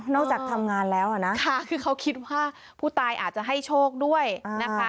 จากทำงานแล้วนะคือเขาคิดว่าผู้ตายอาจจะให้โชคด้วยนะคะ